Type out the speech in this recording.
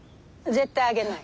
絶対あげない！